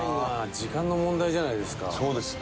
時間の問題じゃないですか。